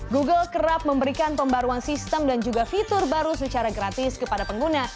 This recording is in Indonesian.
google kerap memberikan pembaruan sistem dan juga fitur baru secara gratis kepada pengguna